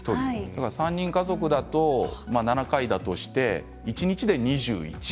３人家族だとして７回だとして一日で２１。